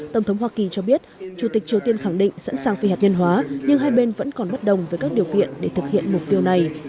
tổng thống hoa kỳ cho biết chủ tịch triều tiên khẳng định sẵn sàng phi hạt nhân hóa nhưng hai bên vẫn còn bất đồng với các điều kiện để thực hiện mục tiêu này